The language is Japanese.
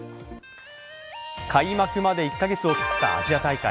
開幕まで１か月を切ったアジア大会。